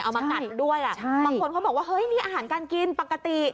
เอามากัดด้วยอ่ะบางคนเขาบอกว่านี่อาหารการกินปกติ